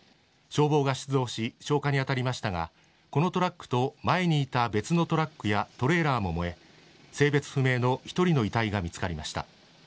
消防が出動し消火に当たりましたがこのトラックと前にいた別のトラックやトレーラーも燃え性別不明の１人の遺体が見つかりました。